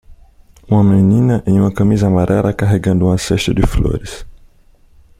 Uma menina em uma camisa amarela carregando uma cesta de flores.